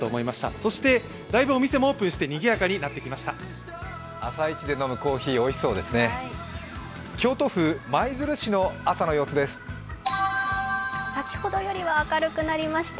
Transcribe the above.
そして大分お店もオープンしてにぎやかになってきました。